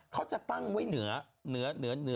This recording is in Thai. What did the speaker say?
เขาจะตั้งไว้เหนือ